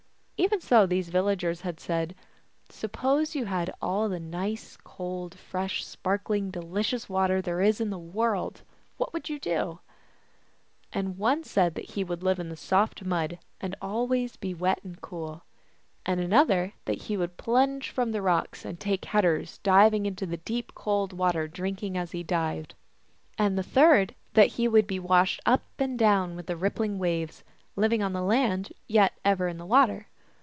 Even so these villagers had said, " Suppose you had all the nice cold, fresh, sparkling, delicious water there is in the world, what would you do ?" And one said that he would live in the soft mud, and always be wet and cool. GLOOSKAP THE DIVINITY. 119 And another, that he would plunge from the rocks, and take headers, diving into the deep, cold water, drinking as he dived. And the third, that he would be washed up and down with the rippling waves, living on the land, yet ever in the water.